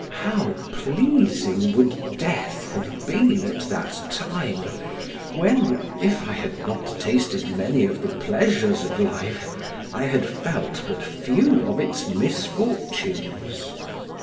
How pleasing would death have been at that time, when, if I had not tasted many of the pleasures of life, I had felt but few of its misfortunes.